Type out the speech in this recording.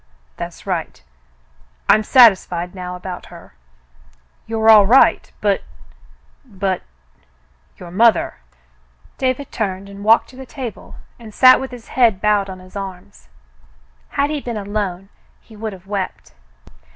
"That's right. I'm satisfied now, about her. You're all right, but — but — your mother," News from England 223 David turned and walked to the table and sat with his head bowed on his arms. Had he been alone, he would have wept.